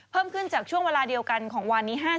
เพิ่มขึ้นจากช่วงเวลาเดียวกันของวันนี้๕๐